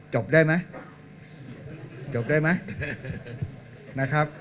จบได้ไหมจบได้ไหมนะครับ